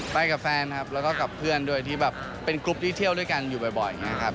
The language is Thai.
ไปกับแฟนครับแล้วก็กับเพื่อนด้วยที่แบบเป็นกรุ๊ปที่เที่ยวด้วยกันอยู่บ่อยอย่างนี้ครับ